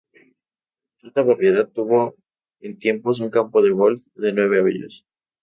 Esta propiedad tuvo en tiempos un campo de golf de nueve hoyos.